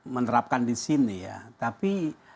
menerapkan di sini ya tapi